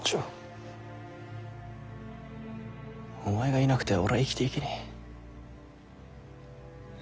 お前がいなくては俺は生きていけねぇ。